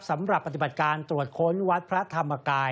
สำหรับปฏิบัติการตรวจค้นวัดพระธรรมกาย